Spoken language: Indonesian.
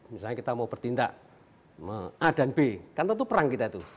misalnya kita mau bertindak a dan b kan tentu perang kita tuh